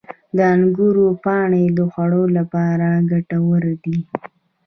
• د انګورو پاڼې د خوړو لپاره ګټور دي.